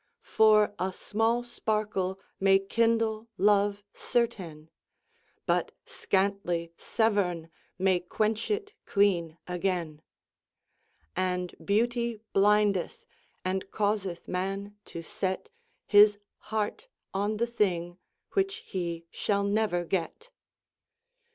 For a small sparcle may kindle love certayne, But skantly Severne may quench it clene againe; And beautie blindeth and causeth man to set His hearte on the thing which he shall never get.